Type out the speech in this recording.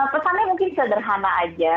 pesannya mungkin sederhana aja